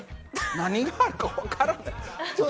何があるかわからない。